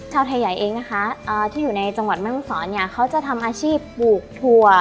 ชาวไทยใหญ่เองนะคะที่อยู่ในจังหวัดแม่ห้องศรเนี่ยเขาจะทำอาชีพปลูกถั่ว